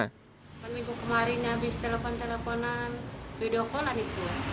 pada minggu kemarin habis telepon teleponan video call an itu ya